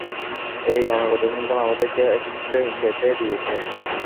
এই অনাগত সন্তান আমাদেরকে একসূত্রে গেঁথে দিয়েছে।